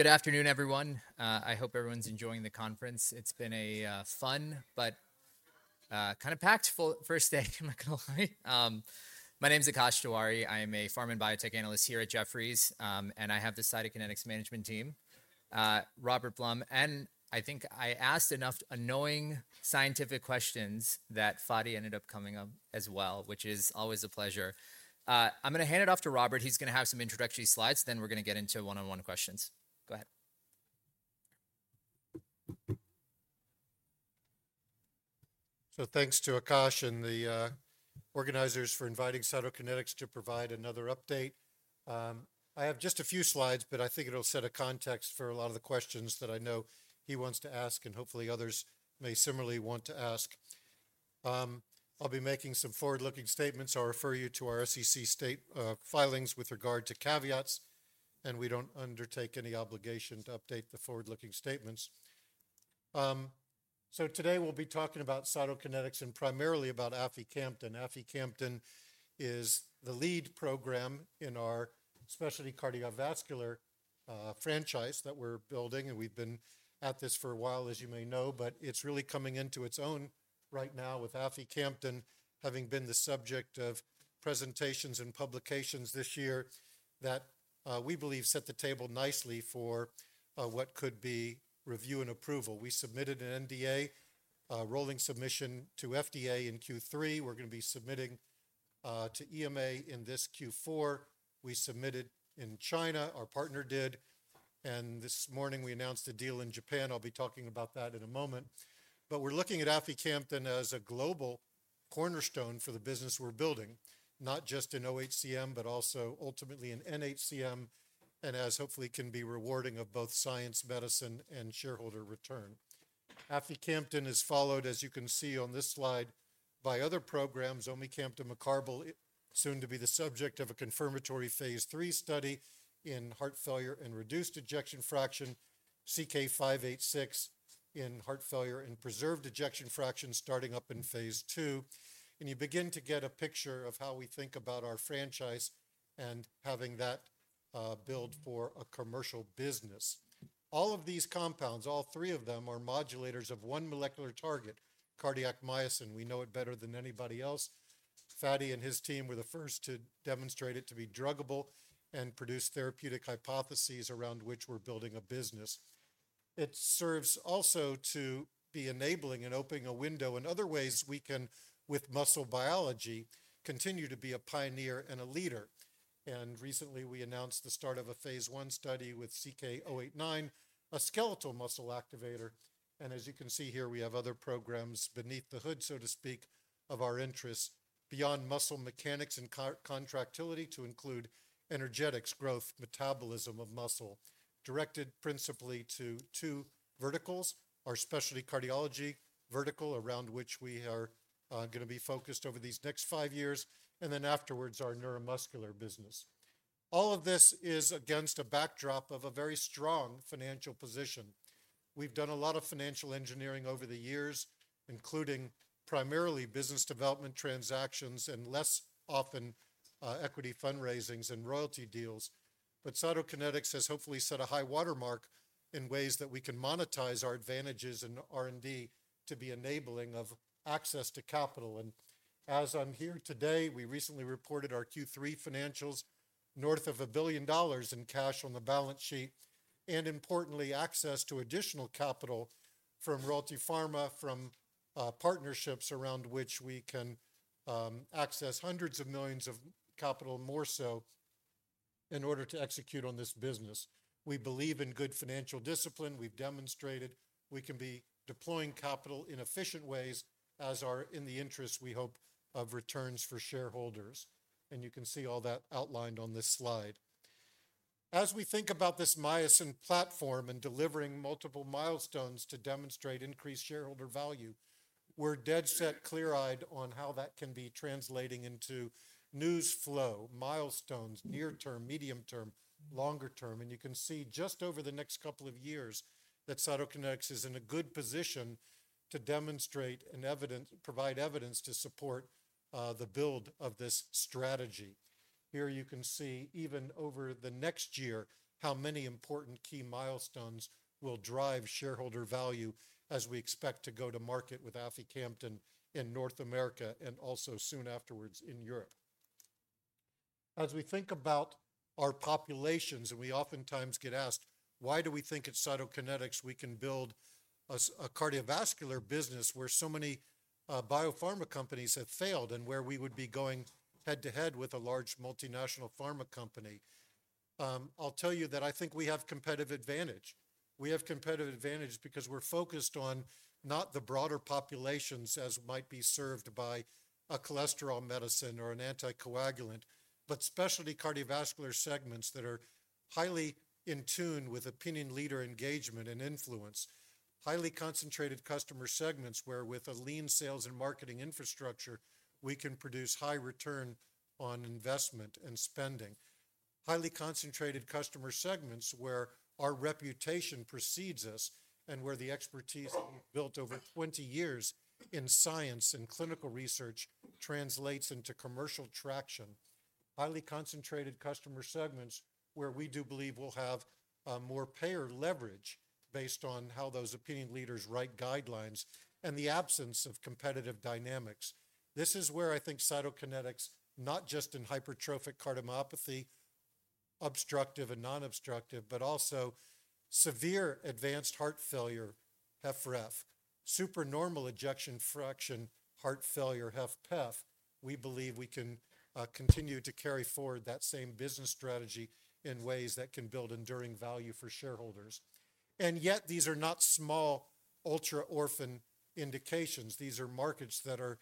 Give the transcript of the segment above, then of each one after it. Good afternoon, everyone. I hope everyone's enjoying the conference. It's been a fun, but kind of packed first day, I'm not going to lie. My name is Akash Tewari. I am a pharm and biotech analyst here at Jefferies, and I have the Cytokinetics management team. Robert Blum, and I think I asked enough annoying scientific questions that Fady ended up coming up as well, which is always a pleasure. I'm going to hand it off to Robert. He's going to have some introductory slides, then we're going to get into one-on-one questions. Go ahead. So thanks to Akash and the organizers for inviting Cytokinetics to provide another update. I have just a few slides, but I think it'll set a context for a lot of the questions that I know he wants to ask, and hopefully others may similarly want to ask. I'll be making some forward-looking statements or refer you to our SEC safe harbor filings with regard to caveats, and we don't undertake any obligation to update the forward-looking statements. So today we'll be talking about Cytokinetics and primarily about aficamten. aficamten is the lead program in our specialty cardiovascular franchise that we're building, and we've been at this for a while, as you may know, but it's really coming into its own right now with aficamten having been the subject of presentations and publications this year that we believe set the table nicely for what could be review and approval. We submitted an NDA rolling submission to FDA in Q3. We're going to be submitting to EMA in this Q4. We submitted in China, our partner did, and this morning we announced a deal in Japan. I'll be talking about that in a moment. But we're looking at aficamten as a global cornerstone for the business we're building, not just in oHCM, but also ultimately in nHCM, and as hopefully can be rewarding of both science, medicine, and shareholder return. aficamten is followed, as you can see on this slide, by other programs. Omecamtiv mecarbil, soon to be the subject of a confirmatory Phase III study in heart failure and reduced ejection fraction, CK-586 in heart failure and preserved ejection fraction starting up in Phase II. And you begin to get a picture of how we think about our franchise and having that build for a commercial business. All of these compounds, all three of them, are modulators of one molecular target, cardiac myosin. We know it better than anybody else. Fady and his team were the first to demonstrate it to be druggable and produce therapeutic hypotheses around which we're building a business. It serves also to be enabling and opening a window in other ways we can, with muscle biology, continue to be a pioneer and a leader. And recently we announced the start of a phase one study with CK-257, a skeletal muscle activator. And as you can see here, we have other programs beneath the hood, so to speak, of our interest beyond muscle mechanics and contractility to include energetics, growth, metabolism of muscle. Directed principally to two verticals, our specialty cardiology vertical around which we are going to be focused over these next five years, and then afterwards our neuromuscular business. All of this is against a backdrop of a very strong financial position. We've done a lot of financial engineering over the years, including primarily business development transactions and less often equity fundraisings and royalty deals. But Cytokinetics has hopefully set a high watermark in ways that we can monetize our advantages in R&D to be enabling of access to capital. And as I'm here today, we recently reported our Q3 financials north of $1 billion in cash on the balance sheet and, importantly, access to additional capital from Royalty Pharma, from partnerships around which we can access hundreds of millions of capital more so in order to execute on this business. We believe in good financial discipline. We've demonstrated we can be deploying capital in efficient ways as are in the interest, we hope, of returns for shareholders. And you can see all that outlined on this slide. As we think about this myosin platform and delivering multiple milestones to demonstrate increased shareholder value, we're dead set, clear-eyed on how that can be translating into news flow, milestones, near term, medium term, longer term. You can see just over the next couple of years that Cytokinetics is in a good position to demonstrate and provide evidence to support the build of this strategy. Here you can see even over the next year how many important key milestones will drive shareholder value as we expect to go to market with aficamten in North America and also soon afterwards in Europe. As we think about our populations, and we oftentimes get asked, why do we think at Cytokinetics we can build a cardiovascular business where so many biopharma companies have failed and where we would be going head to head with a large multinational pharma company? I'll tell you that I think we have competitive advantage. We have competitive advantage because we're focused on not the broader populations as might be served by a cholesterol medicine or an anticoagulant, but specialty cardiovascular segments that are highly in tune with opinion leader engagement and influence, highly concentrated customer segments where with a lean sales and marketing infrastructure we can produce high return on investment and spending, highly concentrated customer segments where our reputation precedes us and where the expertise we've built over 20 years in science and clinical research translates into commercial traction, highly concentrated customer segments where we do believe we'll have more payer leverage based on how those opinion leaders write guidelines and the absence of competitive dynamics. This is where I think Cytokinetics, not just in hypertrophic cardiomyopathy, obstructive and non-obstructive, but also severe advanced heart failure, HFrEF, supernormal ejection fraction, heart failure, HFpEF, we believe we can continue to carry forward that same business strategy in ways that can build enduring value for shareholders. And yet these are not small ultra-orphan indications. These are markets that are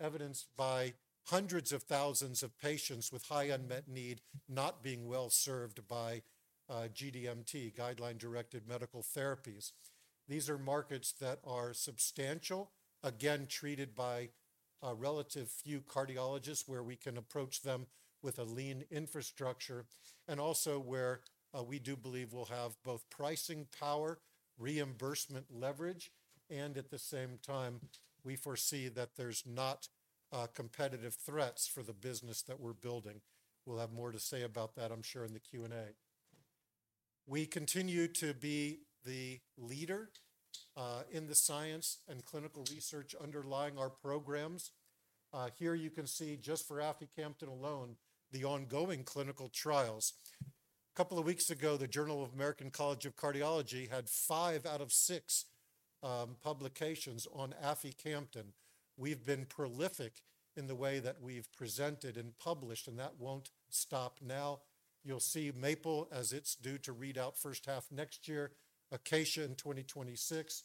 evidenced by hundreds of thousands of patients with high unmet need not being well served by GDMT, guideline-directed medical therapies. These are markets that are substantial, again, treated by a relative few cardiologists where we can approach them with a lean infrastructure and also where we do believe we'll have both pricing power, reimbursement leverage, and at the same time, we foresee that there's not competitive threats for the business that we're building. We'll have more to say about that, I'm sure, in the Q&A. We continue to be the leader in the science and clinical research underlying our programs. Here you can see just for Aficamten alone, the ongoing clinical trials. A couple of weeks ago, the Journal of the American College of Cardiology had five out of six publications on Aficamten. We've been prolific in the way that we've presented and published, and that won't stop now. You'll see Maple as it's due to read out first half next year, Acacia in 2026,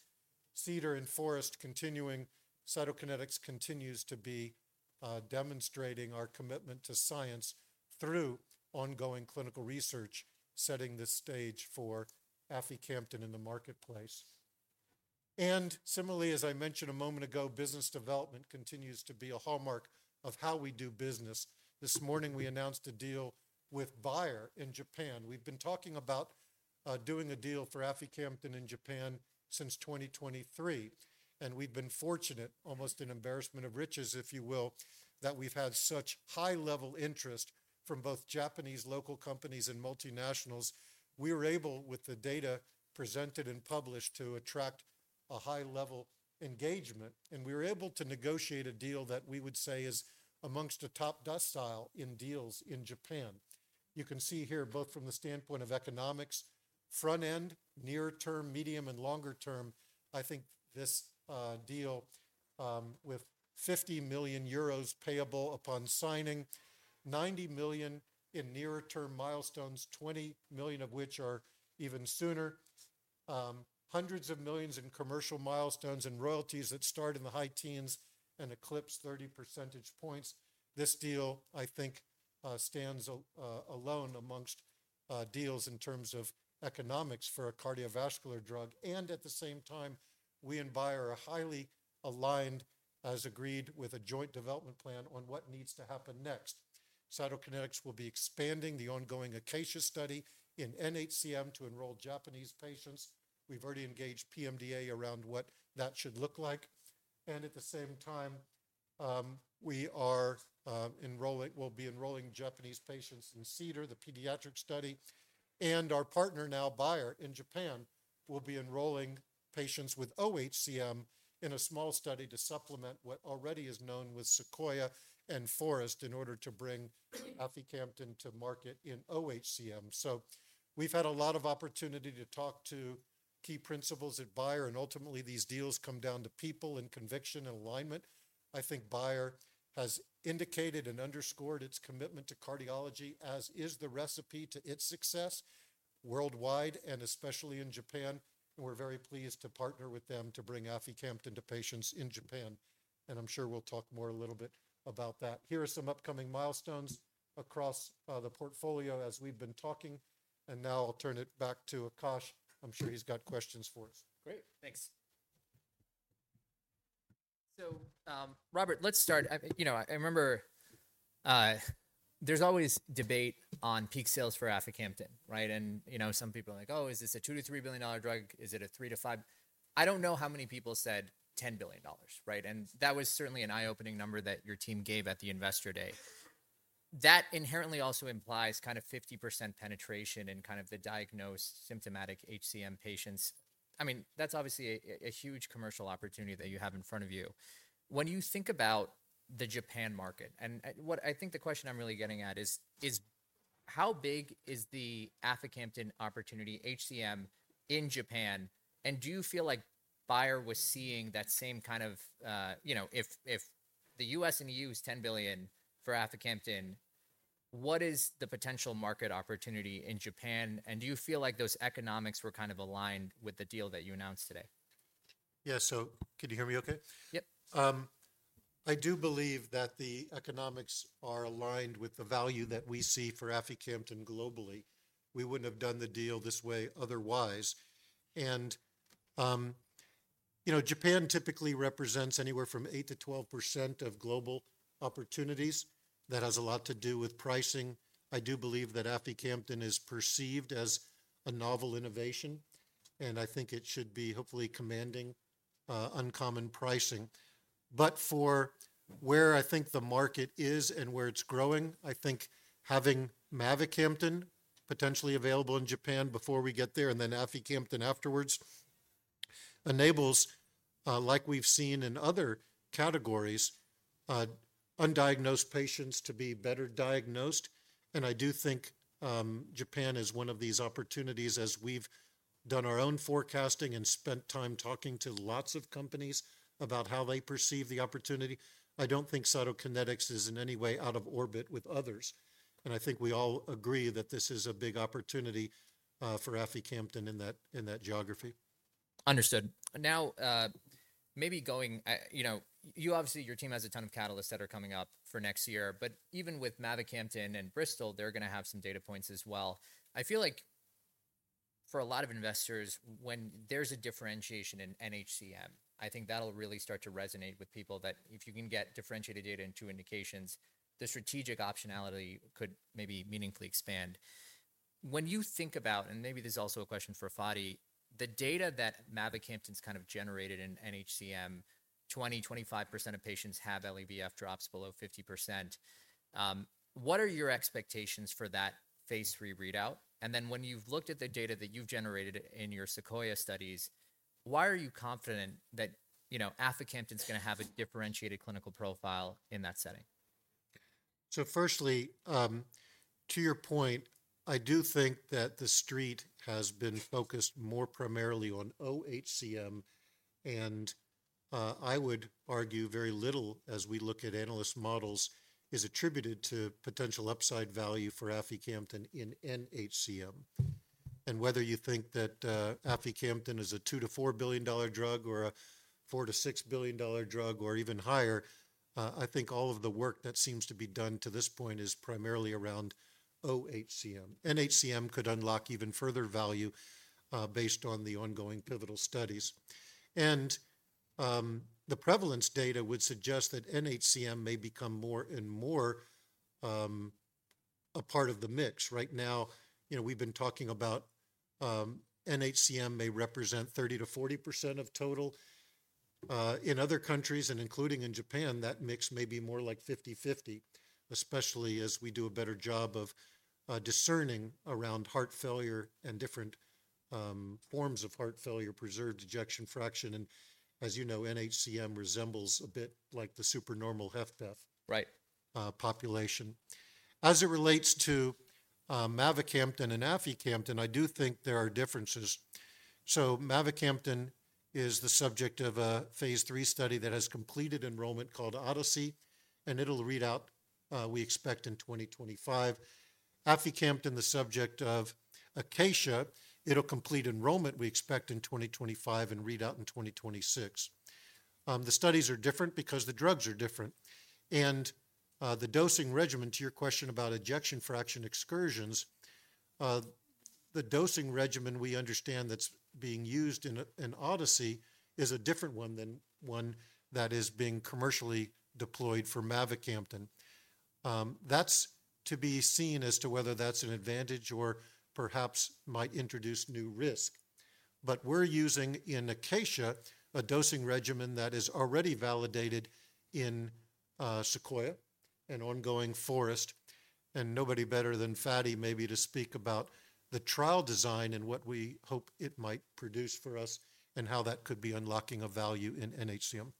Cedar and Forest continuing. Cytokinetics continues to be demonstrating our commitment to science through ongoing clinical research, setting the stage for Aficamten in the marketplace. And similarly, as I mentioned a moment ago, business development continues to be a hallmark of how we do business. This morning we announced a deal with Bayer in Japan. We've been talking about doing a deal for Aficamten in Japan since 2023, and we've been fortunate, almost an embarrassment of riches, if you will, that we've had such high-level interest from both Japanese local companies and multinationals. We were able, with the data presented and published, to attract a high-level engagement, and we were able to negotiate a deal that we would say is amongst the top decile in deals in Japan. You can see here, both from the standpoint of economics, front-end, near-term, medium, and longer term, I think this deal with 50 million euros payable upon signing, 90 million in near-term milestones, 20 million of which are even sooner, hundreds of millions in commercial milestones and royalties that start in the high teens and eclipse 30 percentage points. This deal, I think, stands alone amongst deals in terms of economics for a cardiovascular drug. At the same time, we and Bayer are highly aligned, as agreed, with a joint development plan on what needs to happen next. Cytokinetics will be expanding the ongoing Acacia study in nHCM to enroll Japanese patients. We've already engaged PMDA around what that should look like. At the same time, we will be enrolling Japanese patients in Cedar, the pediatric study, and our partner now, Bayer in Japan, will be enrolling patients with oHCM in a small study to supplement what already is known with Sequoia and Forest in order to bring Aficamten to market in oHCM. We've had a lot of opportunity to talk to key principals at Bayer, and ultimately these deals come down to people and conviction and alignment. I think Bayer has indicated and underscored its commitment to cardiology, as is the recipe to its success worldwide and especially in Japan. We're very pleased to partner with them to bring Aficamten to patients in Japan. I'm sure we'll talk more a little bit about that. Here are some upcoming milestones across the portfolio as we've been talking. Now I'll turn it back to Akash. I'm sure he's got questions for us. Great. Thanks. So Robert, let's start. You know, I remember there's always debate on peak sales for aficamten, right? And you know, some people are like, "Oh, is this a $2-$3 billion drug? Is it a $3-$5?" I don't know how many people said $10 billion, right? And that was certainly an eye-opening number that your team gave at the Investor Day. That inherently also implies kind of 50% penetration in kind of the diagnosed symptomatic HCM patients. I mean, that's obviously a huge commercial opportunity that you have in front of you. When you think about the Japan market, and what I think the question I'm really getting at is, how big is the aficamten opportunity HCM in Japan? And do you feel like Bayer was seeing that same kind of, you know, if the U.S. and EU is $10 billion for Aficamten, what is the potential market opportunity in Japan? And do you feel like those economics were kind of aligned with the deal that you announced today? Yeah, so can you hear me okay? Yep. I do believe that the economics are aligned with the value that we see for aficamten globally. We wouldn't have done the deal this way otherwise. And you know, Japan typically represents anywhere from eight to 12% of global opportunities. That has a lot to do with pricing. I do believe that aficamten is perceived as a novel innovation, and I think it should be hopefully commanding uncommon pricing. But for where I think the market is and where it's growing, I think having mavacamten potentially available in Japan before we get there and then aficamten afterwards enables, like we've seen in other categories, undiagnosed patients to be better diagnosed. And I do think Japan is one of these opportunities as we've done our own forecasting and spent time talking to lots of companies about how they perceive the opportunity. I don't think Cytokinetics is in any way out of orbit with others. And I think we all agree that this is a big opportunity for aficamten in that geography. Understood. Now, maybe going, you know, you obviously, your team has a ton of catalysts that are coming up for next year, but even with mavacamten and Bristol, they're going to have some data points as well. I feel like for a lot of investors, when there's a differentiation in nHCM, I think that'll really start to resonate with people that if you can get differentiated data into indications, the strategic optionality could maybe meaningfully expand. When you think about, and maybe this is also a question for Fady, the data that mavacamten's kind of generated in nHCM, 20%-25% of patients have LVEF drops below 50%. What are your expectations for that Phase III readout? And then when you've looked at the data that you've generated in your Sequoia studies, why are you confident that, you know, Aficamten's going to have a differentiated clinical profile in that setting? So firstly, to your point, I do think that the street has been focused more primarily on oHCM, and I would argue very little as we look at analyst models is attributed to potential upside value for Aficamten in nHCM. And whether you think that Aficamten is a $2-$4 billion drug or a $4-$6 billion drug or even higher, I think all of the work that seems to be done to this point is primarily around oHCM. nHCM could unlock even further value based on the ongoing pivotal studies. And the prevalence data would suggest that nHCM may become more and more a part of the mix. Right now, you know, we've been talking about nHCM may represent 30%-40% of total. In other countries, and including in Japan, that mix may be more like 50/50, especially as we do a better job of discerning around heart failure and different forms of heart failure, preserved ejection fraction. And as you know, nHCM resembles a bit like the supernormal HFpEF population. As it relates to Mavacamten and Aficamten, I do think there are differences. So Mavacamten is the subject of a Phase III study that has completed enrollment called Odyssey, and it'll read out, we expect in 2025. Aficamten, the subject of Acacia, it'll complete enrollment, we expect in 2025 and read out in 2026. The studies are different because the drugs are different. And the dosing regimen, to your question about ejection fraction excursions, the dosing regimen we understand that's being used in Odyssey is a different one than one that is being commercially deployed for Mavacamten. That's to be seen as to whether that's an advantage or perhaps might introduce new risk. But we're using in Acacia a dosing regimen that is already validated in Sequoia and ongoing Forest. Nobody better than Fady maybe to speak about the trial design and what we hope it might produce for us and how that could be unlocking a value in nHCM.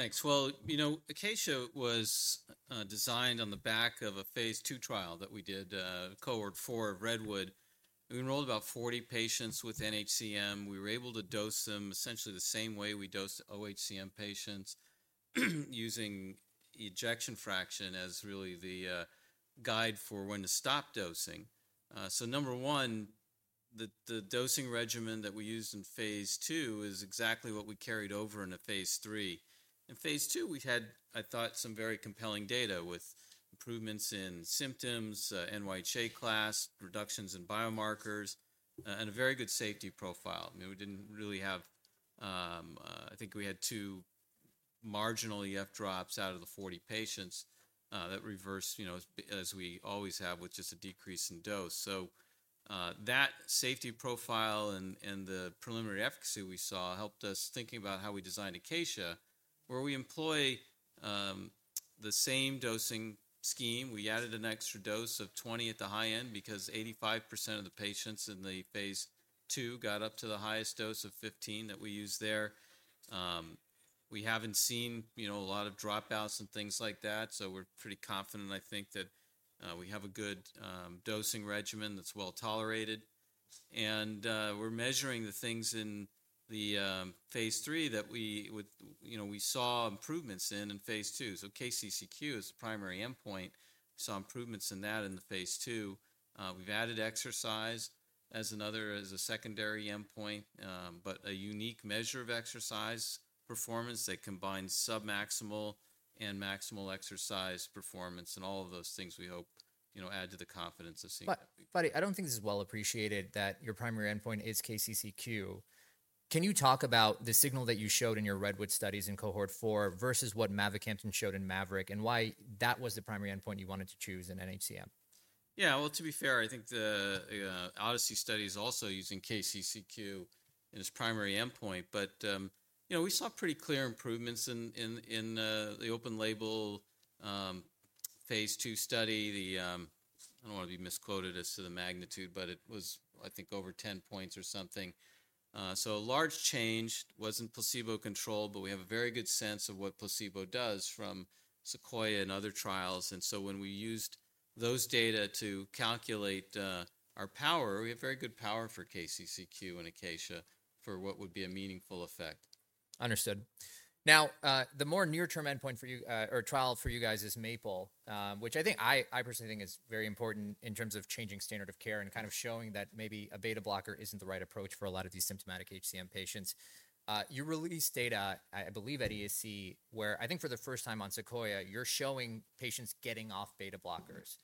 Thanks. Well, you know, Acacia was designed on the back of a Phase II trial that we did, cohort four of Redwood. We enrolled about 40 patients with nHCM. We were able to dose them essentially the same way we dosed oHCM patients using ejection fraction as really the guide for when to stop dosing. So number one, the dosing regimen that we used in Phase II is exactly what we carried over into Phase III. In Phase II, we had, I thought, some very compelling data with improvements in symptoms, NYHA class, reductions in biomarkers, and a very good safety profile. I mean, we didn't really have, I think we had two marginal EF drops out of the 40 patients that reversed, you know, as we always have with just a decrease in dose. That safety profile and the preliminary efficacy we saw helped us thinking about how we designed Acacia, where we employ the same dosing scheme. We added an extra dose of 20 at the high end because 85% of the patients in the Phase II got up to the highest dose of 15 that we used there. We haven't seen, you know, a lot of dropouts and things like that. So we're pretty confident, I think, that we have a good dosing regimen that's well tolerated. And we're measuring the things in the Phase III that we, you know, we saw improvements in in Phase II. So KCCQ is the primary endpoint. We saw improvements in that in the Phase II. We've added exercise as another, as a secondary endpoint, but a unique measure of exercise performance that combines submaximal and maximal exercise performance. And all of those things we hope, you know, add to the confidence of seeing. But Fady, I don't think this is well appreciated that your primary endpoint is KCCQ. Can you talk about the signal that you showed in your Redwood studies in cohort four versus what Mavacamten showed in MAVERIC and why that was the primary endpoint you wanted to choose in nHCM? Yeah, well, to be fair, I think the Odyssey study is also using KCCQ in its primary endpoint. But, you know, we saw pretty clear improvements in the open-label Phase II study. The, I don't want to be misquoted as to the magnitude, but it was, I think, over 10 points or something. So a large change wasn't placebo controlled, but we have a very good sense of what placebo does from Sequoia and other trials. And so when we used those data to calculate our power, we have very good power for KCCQ and Acacia for what would be a meaningful effect. Understood. Now, the more near-term endpoint for you or trial for you guys is Maple, which I think I personally think is very important in terms of changing standard of care and kind of showing that maybe a beta blocker isn't the right approach for a lot of these symptomatic HCM patients. You released data, I believe at ESC, where I think for the first time on Sequoia, you're showing patients getting off beta blockers.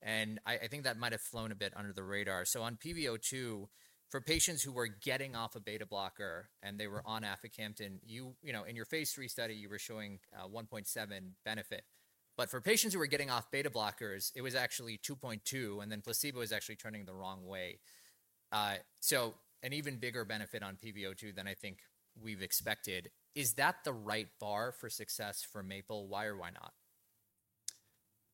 And I think that might have flown a bit under the radar. So on peak VO2, for patients who were getting off a beta blocker and they were on Aficamten, you, you know, in your Phase III study, you were showing 1.7 benefit. But for patients who were getting off beta blockers, it was actually 2.2, and then placebo was actually turning the wrong way. So an even bigger benefit on peak VO2 than I think we've expected. Is that the right bar for success for Maple? Why or why not?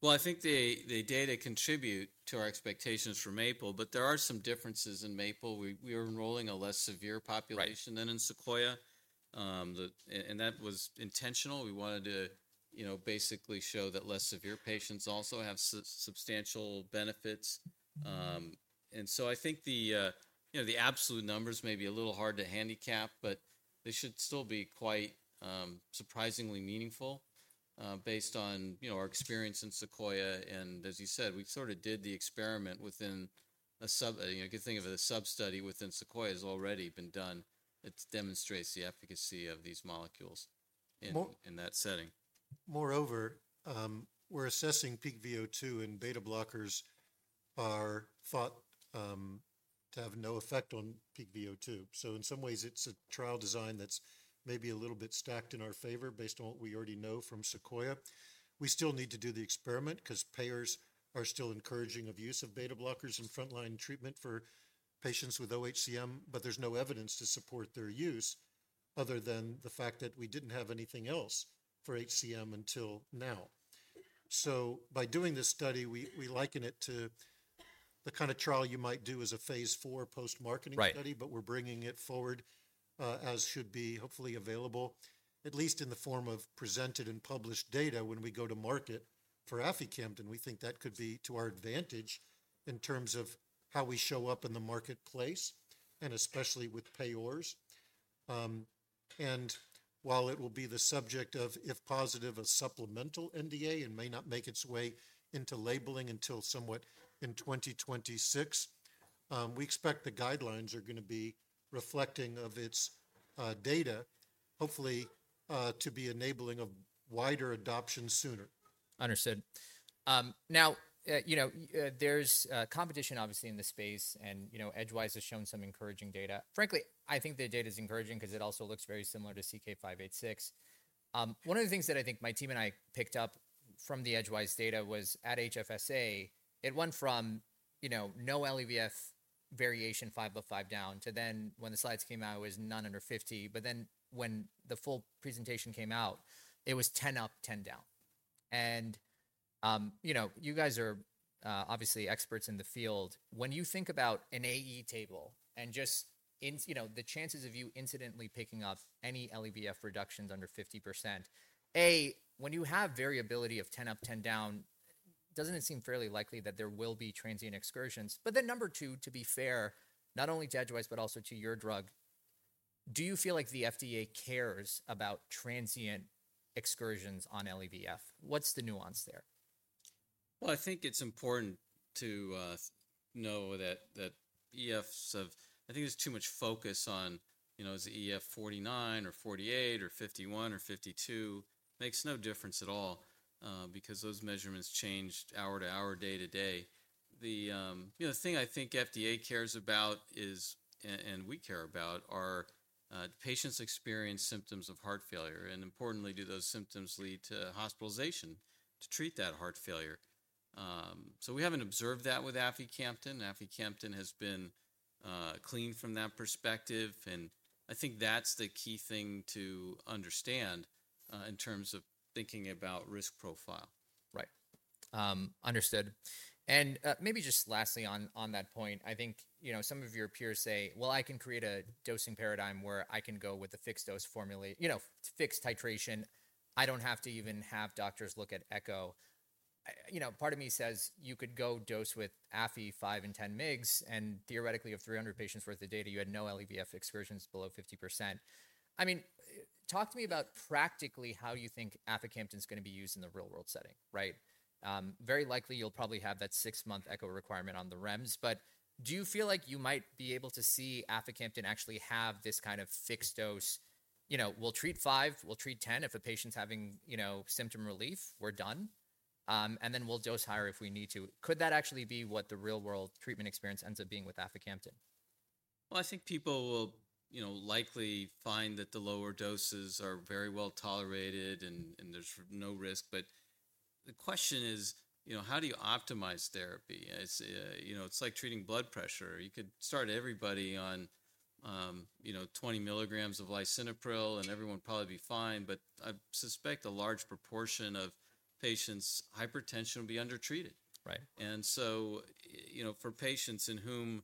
Well, I think the data contribute to our expectations for Maple, but there are some differences in Maple. We are enrolling a less severe population than in Sequoia. And that was intentional. We wanted to, you know, basically show that less severe patients also have substantial benefits. And so I think the, you know, the absolute numbers may be a little hard to handicap, but they should still be quite surprisingly meaningful based on, you know, our experience in Sequoia. As you said, we sort of did the experiment within a sub, you know, you could think of it as a sub-study within Sequoia has already been done. It demonstrates the efficacy of these molecules in that setting. Moreover, we're assessing peak VO2, and beta blockers are thought to have no effect on peak VO2. So in some ways, it's a trial design that's maybe a little bit stacked in our favor based on what we already know from Sequoia. We still need to do the experiment because payers are still encouraging the use of beta blockers in frontline treatment for patients with oHCM, but there's no evidence to support their use other than the fact that we didn't have anything else for HCM until now. So by doing this study, we liken it to the kind of trial you might do as a phase four post-marketing study, but we're bringing it forward as should be hopefully available, at least in the form of presented and published data when we go to market for aficamten. We think that could be to our advantage in terms of how we show up in the marketplace, and especially with payors. And while it will be the subject of, if positive, a supplemental NDA and may not make its way into labeling until somewhat in 2026, we expect the guidelines are going to be reflecting of its data, hopefully to be enabling of wider adoption sooner. Understood. Now, you know, there's competition obviously in the space, and you know, Edgewise has shown some encouraging data. Frankly, I think the data is encouraging because it also looks very similar to CK-586. One of the things that I think my team and I picked up from the Edgewise data was at HFSA, it went from, you know, no LVEF variation 50-5 down to then when the slides came out, it was none under 50. But then when the full presentation came out, it was 10 up, 10 down. And, you know, you guys are obviously experts in the field. When you think about an AE table and just, you know, the chances of you incidentally picking up any LVEF reductions under 50%, A, when you have variability of 10 up, 10 down, doesn't it seem fairly likely that there will be transient excursions? But then number two, to be fair, not only to Edgewise, but also to your drug, do you feel like the FDA cares about transient excursions on LVEF? What's the nuance there? Well, I think it's important to know that EFs of. I think there's too much focus on, you know, is EF 49 or 48 or 51 or 52, makes no difference at all because those measurements change hour to hour, day to day. You know, the thing I think FDA cares about is, and we care about, are patients experience symptoms of heart failure. And importantly, do those symptoms lead to hospitalization to treat that heart failure? So we haven't observed that with Aficamten. Aficamten has been clean from that perspective. And I think that's the key thing to understand in terms of thinking about risk profile. Right. Understood. And maybe just lastly on that point, I think, you know, some of your peers say, well, I can create a dosing paradigm where I can go with a fixed dose formula, you know, fixed titration. I don't have to even have doctors look at echo. You know, part of me says you could go dose with aficamten 5 and 10 mg, and theoretically, of 300 patients' worth of data, you had no LVEF excursions below 50%. I mean, talk to me about practically how you think Aficamten is going to be used in the real-world setting, right? Very likely you'll probably have that six-month echo requirement on the REMS. But do you feel like you might be able to see Aficamten actually have this kind of fixed dose? You know, we'll treat five, we'll treat 10. If a patient's having, you know, symptom relief, we're done. And then we'll dose higher if we need to. Could that actually be what the real-world treatment experience ends up being with Aficamten? I think people will, you know, likely find that the lower doses are very well tolerated and there's no risk. But the question is, you know, how do you optimize therapy? You know, it's like treating blood pressure. You could start everybody on, you know, 20 milligrams of lisinopril and everyone would probably be fine. But I suspect a large proportion of patients' hypertension will be undertreated. Right. And so, you know, for patients in whom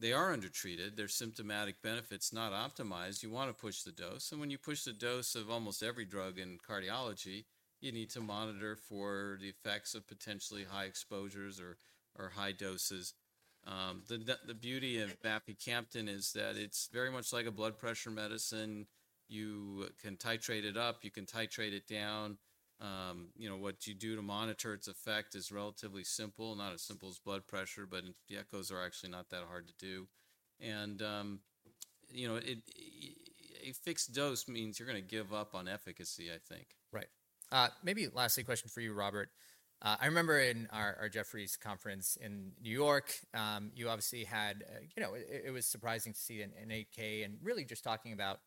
they are undertreated, their symptomatic benefits not optimized, you want to push the dose. And when you push the dose of almost every drug in cardiology, you need to monitor for the effects of potentially high exposures or high doses. The beauty of aficamten is that it's very much like a blood pressure medicine. You can titrate it up, you can titrate it down. You know, what you do to monitor its effect is relatively simple, not as simple as blood pressure, but the echoes are actually not that hard to do. You know, a fixed dose means you're going to give up on efficacy, I think. Right. Maybe lastly a question for you, Robert. I remember in our Jefferies conference in New York, you obviously had, you know, it was surprising to see Akash and really just talking about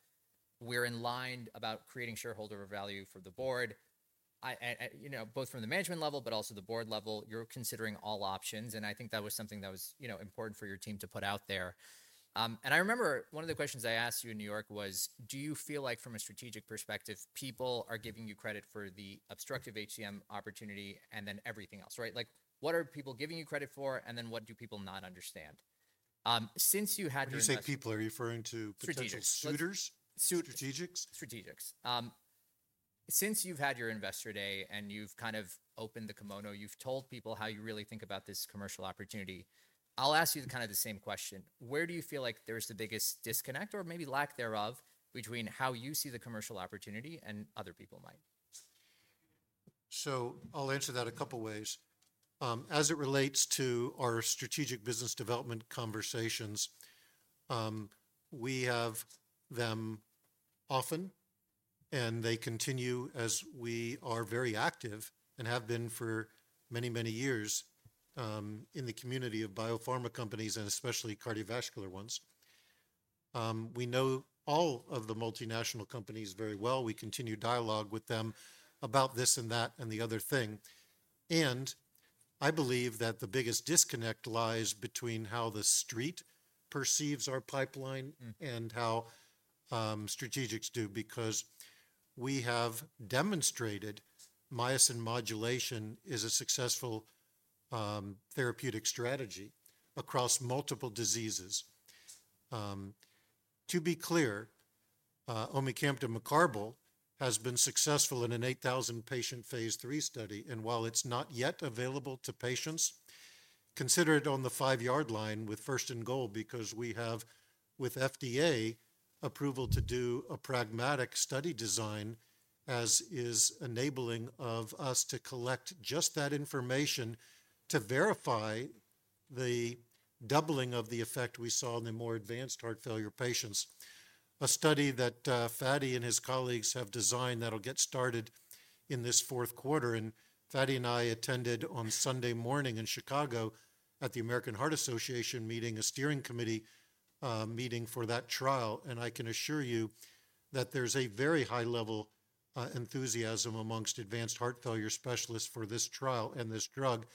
we're in line about creating shareholder value for the board. You know, both from the management level, but also the board level, you're considering all options. I think that was something that was, you know, important for your team to put out there. I remember one of the questions I asked you in New York was, do you feel like from a strategic perspective, people are giving you credit for the obstructive HCM opportunity and then everything else, right? Like, what are people giving you credit for and then what do people not understand? Since you had your investor day. When you say people, are you referring to potential suitors? Strategics. Strategics. Since you've had your investor day and you've kind of opened the kimono, you've told people how you really think about this commercial opportunity. I'll ask you kind of the same question. Where do you feel like there's the biggest disconnect or maybe lack thereof between how you see the commercial opportunity and other people might? So I'll answer that a couple of ways. As it relates to our strategic business development conversations, we have them often and they continue as we are very active and have been for many, many years in the community of biopharma companies and especially cardiovascular ones. We know all of the multinational companies very well. We continue dialogue with them about this and that and the other thing. And I believe that the biggest disconnect lies between how the street perceives our pipeline and how strategics do because we have demonstrated myosin modulation is a successful therapeutic strategy across multiple diseases. To be clear, omecamtiv mecarbil has been successful in an 8,000 patient Phase III study. And while it's not yet available to patients, consider it on the five-yard line with first and goal because we have with FDA approval to do a pragmatic study design as is enabling of us to collect just that information to verify the doubling of the effect we saw in the more advanced heart failure patients. A study that Fady and his colleagues have designed that'll get started in this fourth quarter. And Fady and I attended on Sunday morning in Chicago at the American Heart Association meeting, a steering committee meeting for that trial. And I can assure you that there's a very high level enthusiasm amongst advanced heart failure specialists for this trial and this drug.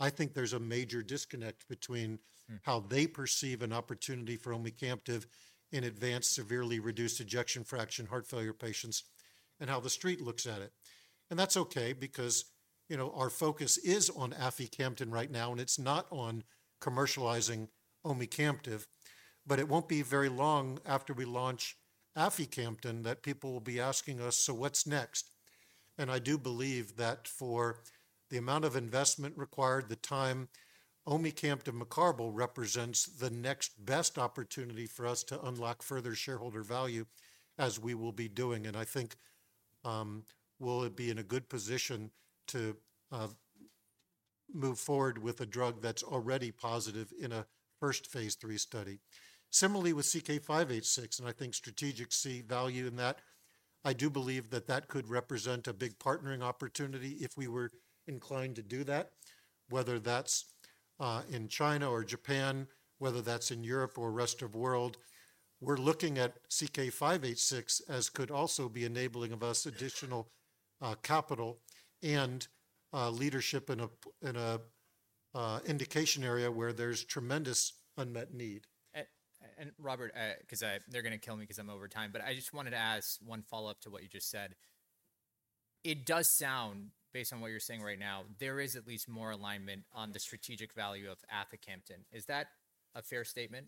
I think there's a major disconnect between how they perceive an opportunity for omecamtiv mecarbil in advanced severely reduced ejection fraction heart failure patients and how the street looks at it. That's okay because, you know, our focus is on aficamten right now and it's not on commercializing omecamtiv mecarbil. But it won't be very long after we launch aficamten that people will be asking us, so what's next? I do believe that for the amount of investment required, the time omecamtiv mecarbil represents the next best opportunity for us to unlock further shareholder value as we will be doing. I think we'll be in a good position to move forward with a drug that's already positive in a first Phase III study. Similarly with CK-586, and I think strategics see value in that. I do believe that that could represent a big partnering opportunity if we were inclined to do that, whether that's in China or Japan, whether that's in Europe or rest of the world. We're looking at CK-586 as could also be enabling of us additional capital and leadership in an indication area where there's tremendous unmet need. And Robert, because they're going to kill me because I'm over time, but I just wanted to ask one follow-up to what you just said. It does sound, based on what you're saying right now, there is at least more alignment on the strategic value of Aficamten. Is that a fair statement?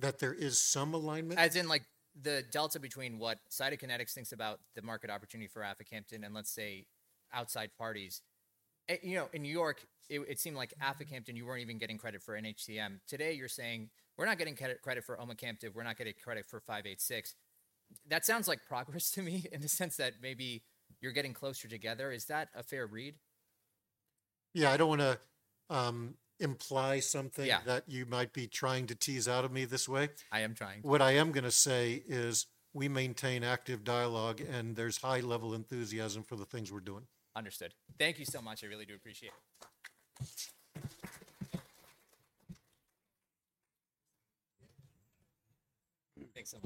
That there is some alignment? As in like the delta between what Cytokinetics thinks about the market opportunity for Aficamten and let's say outside parties. You know, in New York, it seemed like Aficamten, you weren't even getting credit for NHCM. Today you're saying, we're not getting credit for omecamtiv, we're not getting credit for 586. That sounds like progress to me in the sense that maybe you're getting closer together. Is that a fair read? Yeah, I don't want to imply something that you might be trying to tease out of me this way. I am trying. What I am going to say is we maintain active dialogue and there's high-level enthusiasm for the things we're doing. Understood. Thank you so much. I really do appreciate it. Thanks so much.